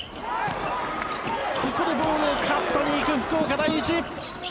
ここでボールをカットに行く、福岡第一！